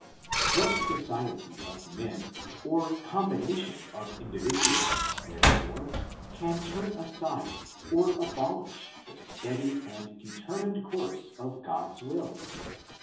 What society of men, or combination of indi viduals, therefore, can turn aside or abolish the steady and determined course of God^s vnll?